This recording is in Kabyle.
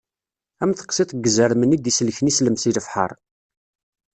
Am teqsiṭ n wezrem-nni i d-isellken islem seg lebḥer.